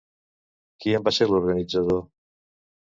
Qui en va ser l'organitzador?